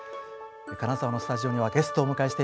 金沢のスタジオにはゲストをお迎えしています。